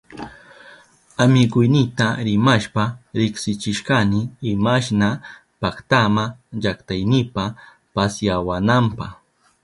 Amiguynita rimashpa riksichishkani imashna paktama llaktaynipa pasyawananpa.